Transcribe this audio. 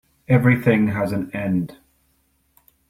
Everything has an end.